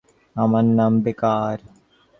আমার নাম বেকার।